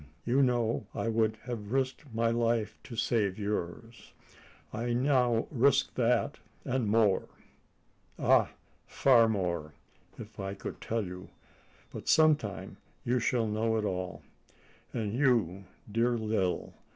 You know I would have risked my life to save yours. I now risk that and more ah! far more, if I could tell you; but some time you shall know all. And you, dear Lil!